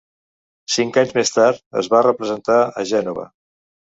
Cinc anys més tard es va representar a Gènova.